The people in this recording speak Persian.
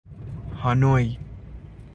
هانوی